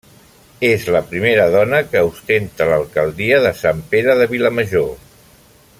És la primera dona que ostenta l'alcaldia de Sant Pere de Vilamajor.